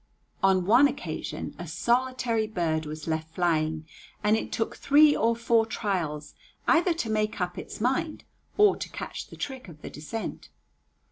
On one occasion a solitary bird was left flying, and it took three or four trials either to make up its mind or to catch the trick of the descent.